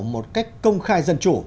một cách công khai dân chủ